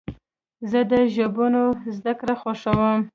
زه د ژبونو زدهکړه خوښوم.